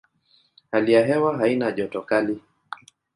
Hali ya hewa haina joto kali.